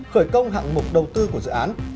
khởi công hạng mục đầu tư của dự án